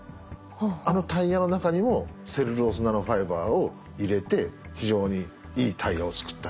あのタイヤの中にもセルロースナノファイバーを入れて非常にいいタイヤを作ったり。